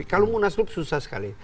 kalau munas lup susah sekali